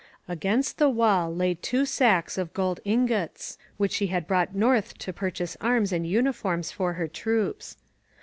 Against the wall lay two sacks of gold ingots which she had brought north to purchase arms and uniforms for her troops.